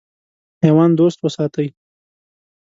حیوان دوست وساتئ.